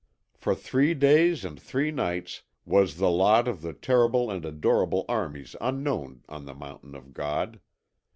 For three days and three nights was the lot of the terrible and adorable armies unknown on the Mountain of God.